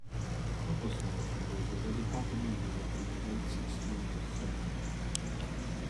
Copper smelting was already happening here in the late sixteenth century.